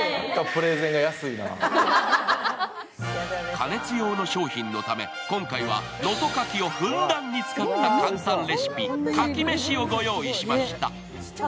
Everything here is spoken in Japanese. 加熱用の商品のため、今回は能登かきをふんだんに使った簡単レシピ、かきめしをご用意しました。